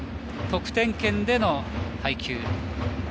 得点圏での配球。